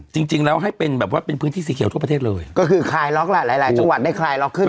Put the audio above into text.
จริงจริงแล้วให้เป็นแบบว่าเป็นพื้นที่สีเขียวทั่วประเทศเลยก็คือคลายล็อกล่ะหลายหลายจังหวัดได้คลายล็อกขึ้น